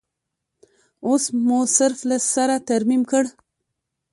اوس مو صرف له سره ترمیم کړ.